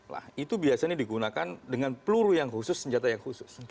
nah itu biasanya digunakan dengan peluru yang khusus senjata yang khusus